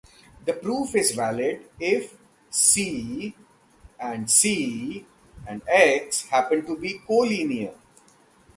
The proof is invalid if "C", "c", "X" happen to be collinear.